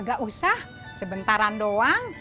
gak usah sebentar doang